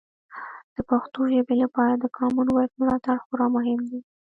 د پښتو ژبې لپاره د کامن وایس ملاتړ خورا مهم دی.